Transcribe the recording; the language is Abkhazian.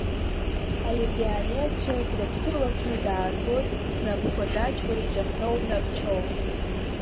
Алегионерцәа дрыгәҭылакны, дааргоит знапқәа даҷла иҿаҳәоу нарчоу.